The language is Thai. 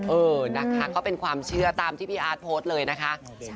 เออนะคะก็เป็นความเชื่อตามที่พี่อาร์ตโพสต์เลยนะคะ